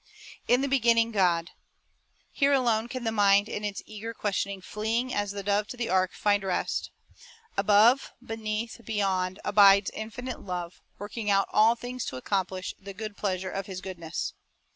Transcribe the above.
1 "In the beginning God."* Here alone can the mind in its eager questioning, fleeing as the dove to the ark, find rest. Above, beneath, beyond, abides Infinite Love, working out all things to accomplish "the good pleasure of His goodness.""